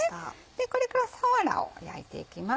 これからさわらを焼いていきます。